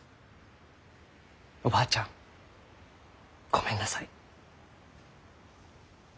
おばあちゃんごめんなさい。